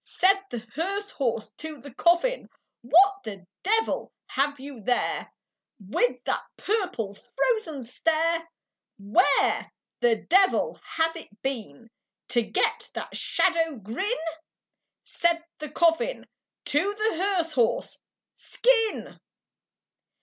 Said the hearse horse to the coffin, "What the devil have you there, With that purple frozen stare? Where the devil has it been To get that shadow grin?" Said the coffin to the hearse horse, "Skin!"